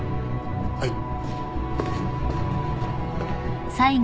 はい。